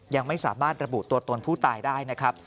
ยังไม่สามารถระบุตัวตนผู้ตายได้นะครับ